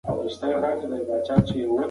زده کوونکي باید په خپل وخت ټولګي ته راسی.